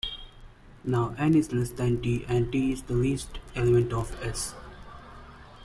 Now "n" is less than "t", and "t" is the least element of "S".